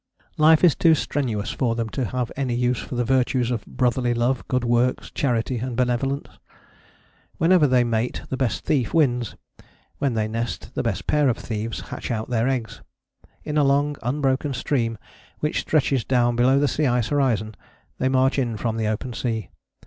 Life is too strenuous for them to have any use for the virtues of brotherly love, good works, charity and benevolence. When they mate the best thief wins: when they nest the best pair of thieves hatch out their eggs. In a long unbroken stream, which stretches down below the sea ice horizon, they march in from the open sea.